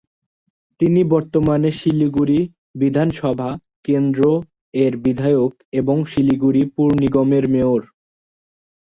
তিনি বর্তমানে শিলিগুড়ি বিধানসভা কেন্দ্র এর বিধায়ক এবং শিলিগুড়ি পুর নিগমের মেয়র।